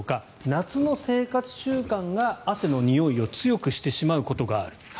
夏の生活習慣が、汗のにおいを強くしてしまうことがある。